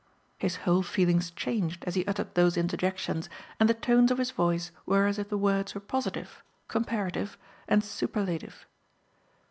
His whole feelings changed as he uttered those interjections, and the tones of his voice were as if the words were positive, comparative, and superlative.